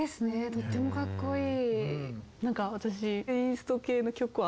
とってもかっこいい。